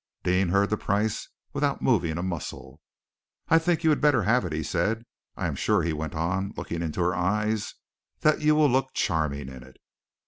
Deane heard the price without moving a muscle. "I think you had better have it," he said. "I am sure," he went on, looking into her eyes, "that you will look charming in it."